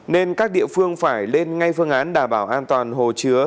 nên các địa phương phải lên ngay phương án đảm bảo an toàn hồ chứa